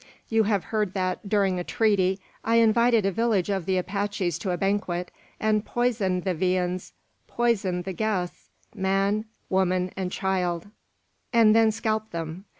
You have heard that, during a treaty, I invited a village of the Apaches to a banquet, and poisoned the viands poisoned the guests, man, woman, and child, and then scalped them!